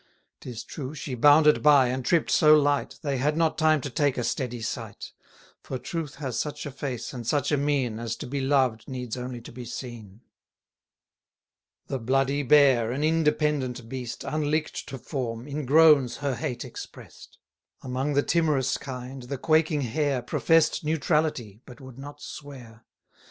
30 'Tis true, she bounded by, and tripp'd so light, They had not time to take a steady sight; For truth has such a face and such a mien, As to be loved needs only to be seen. The bloody Bear, an independent beast, Unlick'd to form, in groans her hate express'd. Among the timorous kind the quaking Hare Profess'd neutrality, but would not swear.